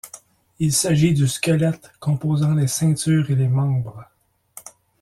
Il s'agit du squelette composant les ceintures et les membres.